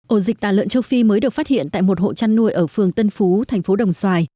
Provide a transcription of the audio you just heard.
ổ dịch tà lợn châu phi mới được phát hiện tại một hộ chăn nuôi ở phường tân phú thành phố đồng xoài